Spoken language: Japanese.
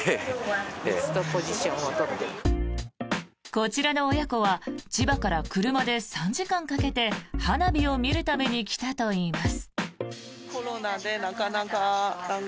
こちらの親子は千葉から車で３時間かけて花火を見るために来たといいます。